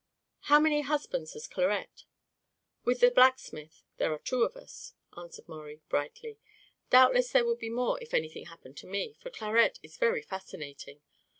"How many husbands has Clarette?" "With the blacksmith, there are two of us," answered Maurie, brightly. "Doubtless there would be more if anything happened to me, for Clarette is very fascinating.